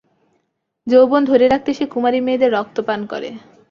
যৌবন ধরে রাখতে সে কুমারী মেয়েদের রক্ত পান করে।